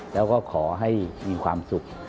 แล้วก็ขอให้มีความสุข